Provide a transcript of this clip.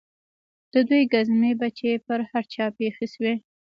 د دوى گزمې به چې پر هر چا پېښې سوې.